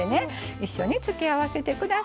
一緒に付け合わせて下さい。